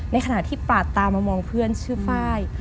ในขณะที่ปาดตามามองเพื่อนชื่อไฟล์